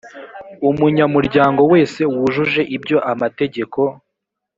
umunyamuryango wese wujuje ibyo amategeko